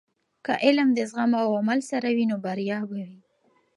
که علم د زغم او عمل سره وي، نو بریا به وي.